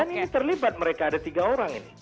dan ini terlibat mereka ada tiga orang ini